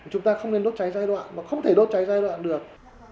chúng ta không nên đốt cháy giai đoạn mà không thể đốt cháy giai đoạn được